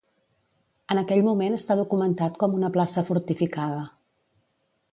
En aquell moment està documentat com una plaça fortificada.